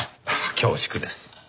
恐縮です。